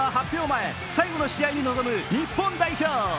前最後の試合に臨む日本代表。